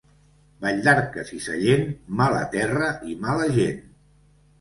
Valldarques i Sallent, mala terra i mala gent.